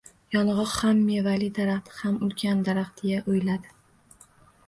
Yong‘oq ham mevali daraxt, ham ulkan daraxt, deya o‘yladi.